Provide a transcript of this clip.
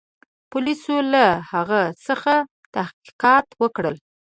پولیسو له هغه څخه تحقیقات وکړل.